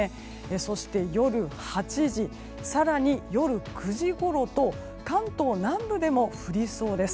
そして、夜８時更に夜９時ごろと関東南部でも降りそうです。